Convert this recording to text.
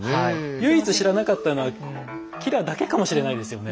唯一知らなかったのは吉良だけかもしれないですよね。